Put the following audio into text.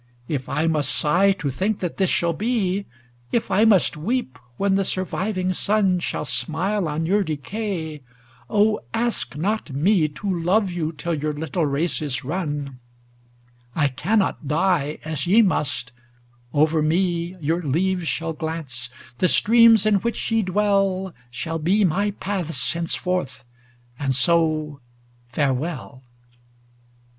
If I must sigh to think that this shall be, If I must weep when the surviving Sun Shall smile on your decay, oh, ask not me To love you till your little race is run; I cannot die as ye must ŌĆö over me Your leaves shall glance ŌĆö the streams in which ye dwell Shall be my paths henceforth, and so ŌĆö farewell